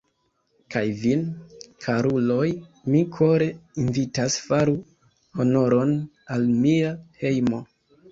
Kaj vin, karuloj, mi kore invitas, faru honoron al mia hejmo!